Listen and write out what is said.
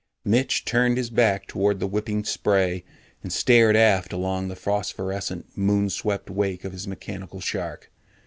Mitch turned his back toward the whipping spray and stared aft along the phosphorescent, moon swept wake of his mechanical shark.